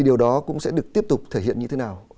điều đó cũng sẽ được tiếp tục thể hiện như thế nào